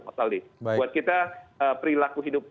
buat kita perilaku hidup